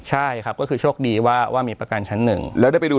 ใช่ครับก็คือโชคดีว่าว่ามีประกันชั้นหนึ่งแล้วได้ไปดู